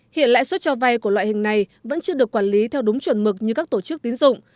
hiện lãi suất cho vay của loại hình này vẫn chưa được quản lý theo đúng chuẩn mực như các tổ chức tín dụng